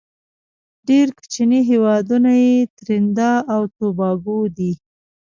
ډیر کوچینی هیوادونه یې تريندا او توباګو دی.